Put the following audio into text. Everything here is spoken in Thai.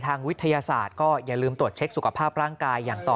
วิทยาศาสตร์ก็อย่าลืมตรวจเช็คสุขภาพร่างกายอย่างต่อ